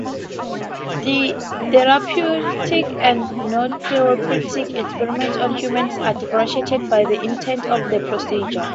Therapeutic and nontherapeutic experimentation on humans are differentiated by the intent of the procedure.